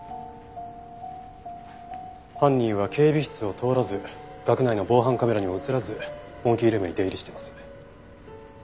犯人は警備室を通らず学内の防犯カメラにも映らずモンキールームに出入りしています。